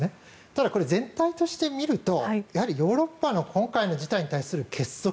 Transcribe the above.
ただ、これは全体として見るとやはりヨーロッパの今回の事態に対する結束